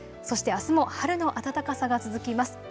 そしてあすも春の暖かさが続きます。